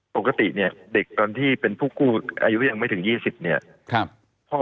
ปกติเนี่ยเด็กตอนที่เป็นผู้กู้อายุยังไม่ถึง๒๐เนี่ย